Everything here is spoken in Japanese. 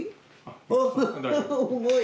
重い？